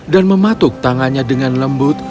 dan mematuk tangannya dengan lembut